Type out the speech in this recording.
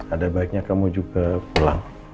ada baiknya kamu juga pulang